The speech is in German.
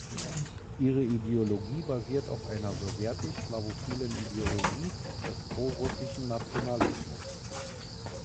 Ihre Ideologie basiert auf einer sowjetisch-slawophilen Ideologie des pro-russischen Nationalismus.